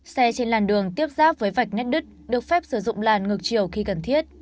xe trên làn đường tiếp giáp với vạch nét đứt được phép sử dụng làn ngược chiều khi cần thiết